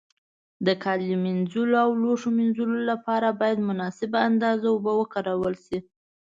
د کالي مینځلو او لوښو مینځلو له پاره باید مناسبه اندازه اوبو وکارول شي.